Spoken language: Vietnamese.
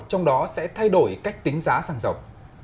trong đó sẽ thay đổi cách tính giá xăng dầu